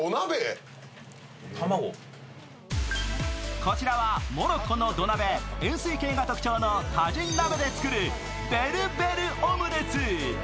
こちらはモロッコの土鍋円すい形が特徴のタジン鍋で作るベルベルオムレツ。